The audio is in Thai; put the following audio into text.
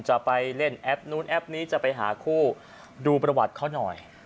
จะไปเล่นแอปนู้นแอปนี้จะไปหาคู่ดูประวัติเขาหน่อย